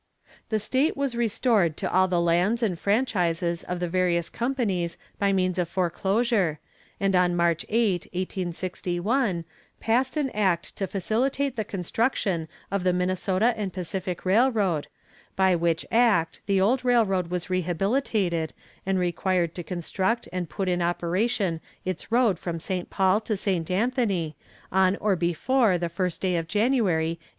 The state was restored to all the lands and franchises of the various companies by means of foreclosure, and on March 8, 1861, passed an act to facilitate the construction of the Minnesota & Pacific Railroad, by which act the old railroad was rehabilitated, and required to construct and put in operation its road from St. Paul to St. Anthony on or before the first day of January, 1862.